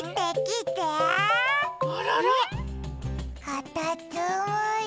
かたつむり。